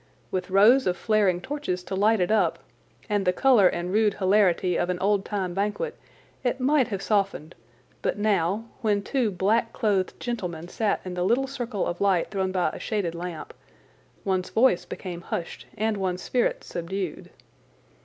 With rows of flaring torches to light it up, and the colour and rude hilarity of an old time banquet, it might have softened; but now, when two black clothed gentlemen sat in the little circle of light thrown by a shaded lamp, one's voice became hushed and one's spirit subdued.